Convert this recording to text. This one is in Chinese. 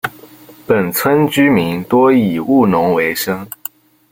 本村居民多以务农为生。